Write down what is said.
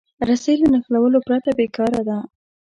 رسۍ له نښلولو پرته بېکاره ده.